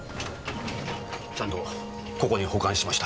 ちゃんとここに保管しました。